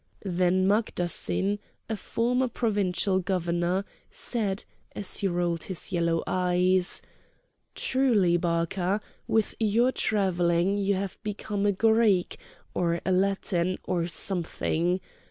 Then Magdassin, a former provincial governor, said, as he rolled his yellow eyes: "Truly Barca, with your travelling you have become a Greek, or a Latin, or something!